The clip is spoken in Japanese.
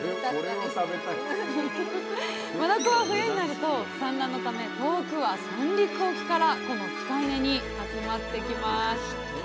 マダコは冬になると産卵のため遠くは三陸沖からこの器械根に集まってきます。